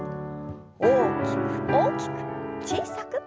大きく大きく小さく。